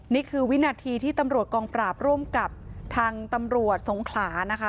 นี่คือวินาทีที่ตำรวจกองปราบร่วมกับทางตำรวจสงขลานะคะ